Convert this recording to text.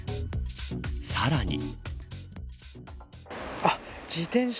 さらに。